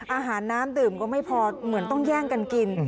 อาหารน้ำดื่มก็ไม่พอเหมือนต้องแย่งกันกิน